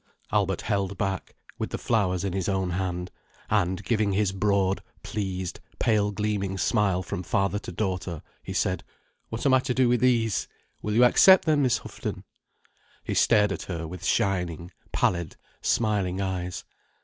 Albert held back, with the flowers in his own hand, and giving his broad, pleased, pale gleaming smile from father to daughter, he said: "What am I to do with these? Will you accept them, Miss Houghton?" He stared at her with shining, pallid smiling eyes.